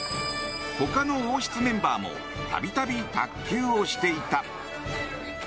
他の王室メンバーも度々、卓球をしていた。